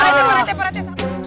eh pak rete pak rete